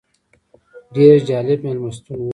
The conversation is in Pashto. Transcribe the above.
ډېر جالب مېلمستون و.